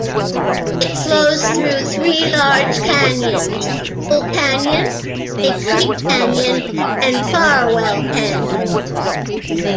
It flows through three large canyons, Bull Canyon, Big Creek Canyon and Farwell Canyon.